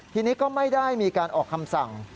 ทีนี้ก็ไม่ได้มีการออกคำสั่ง